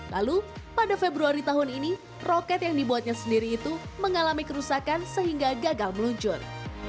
lalu pada februari tahun ini roket yang dibuatnya sendiri itu mengalami kerusakan sehingga gagal meluncur